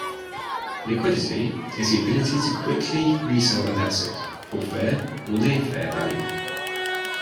Liquidity is the ability to quickly resell an asset for fair or near-fair value.